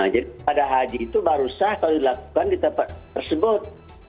jadi pada haji itu baru sah kalau dilakukan di tempat tersebut